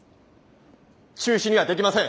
中止にはできません。